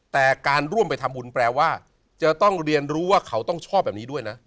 แต่การร่วมไปทำบุญแปลว่าจะต้องเรียนรู้ว่าเขาต้องชอบแบบนี้ด้วยนะ